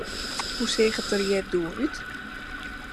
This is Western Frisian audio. Hoe seach it der hjir doe út?